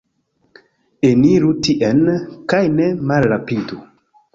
Eniru tien, kaj ne malrapidu.